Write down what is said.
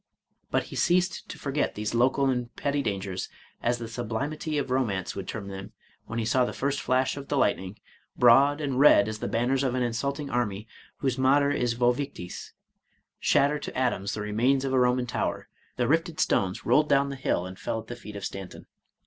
But he ceased to forget these local and petty dangers, as the sublimity of romance would term them, when he saw the first flash of the lightning, broad and red as the banners of an insulting army whose motto is Vce victis, shatter to atoms the remains of a Roman tower ;— the rifted stones rolled down the hill, and fell at the feet of Stanton.